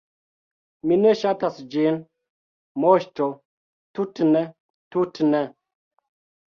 “Mi ne ŝatas ĝin, Moŝto, tut’ ne, tut’ ne!”